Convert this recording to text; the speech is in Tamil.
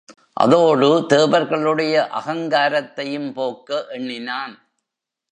அதோடு தேவர்களுடைய அகங்காரத்தையும் போக்க எண்ணினான்.